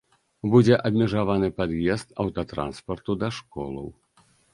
Будзе абмежаваны пад'езд аўтатранспарту да школаў.